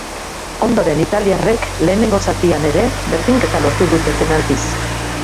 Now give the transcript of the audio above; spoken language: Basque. Ondoren italiarrek, lehenengo zatian ere, berdinketa lortu dute penaltiz.